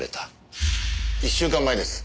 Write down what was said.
１週間前です。